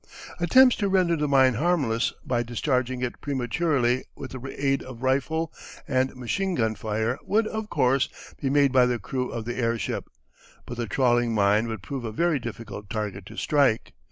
Attempts to render the mine harmless by discharging it prematurely with the aid of rifle and machine gun fire would, of course, be made by the crew of the airship, but the trawling mine would prove a very difficult target to strike.